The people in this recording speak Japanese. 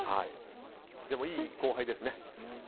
でも、いい後輩ですね。